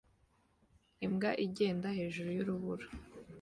Imbwa igenda hejuru y'urubura